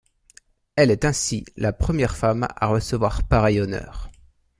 Elle est ainsi la première femme à recevoir pareil honneur.